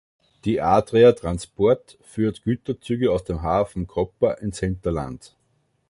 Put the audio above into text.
Die Adria Transport führt Güterzüge aus dem Hafen Koper ins Hinterland.